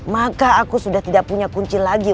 maka aku sudah tidak punya kunci lagi